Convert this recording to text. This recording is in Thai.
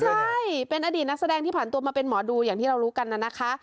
ใช่เป็นอดีตนักแสดงที่ผ่านตัวมาเป็นหมอดูอย่างที่เรารู้กันน่ะนะคะ